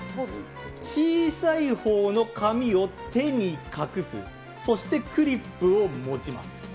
小さいほうの紙を手に隠す、そしてクリップを持ちます。